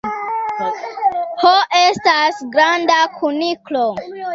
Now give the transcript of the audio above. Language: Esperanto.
Ho estas granda kuniklo.